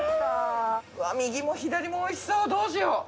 うわぁ右も左もおいしそうどうしよう。